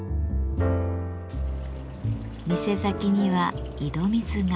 店先には井戸水が。